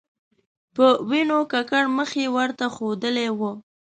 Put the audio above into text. په وینو ککړ مخ یې ورته ښودلی و.